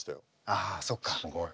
ああそっか。